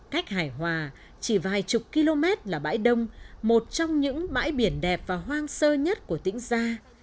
cách hải hòa chỉ vài chục km là bãi đông một trong những bãi biển đẹp và hoang sơ nhất của tỉnh gia